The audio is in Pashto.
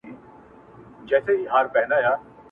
يو تر بله هم په عقل گړندي وه٫